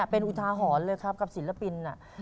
เป็นอุทาหรณ์เลยครับกับศิลปิน